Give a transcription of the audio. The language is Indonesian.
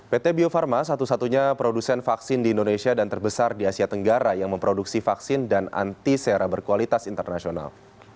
pt bio farma satu satunya produsen vaksin di indonesia dan terbesar di asia tenggara yang memproduksi vaksin dan antisera berkualitas internasional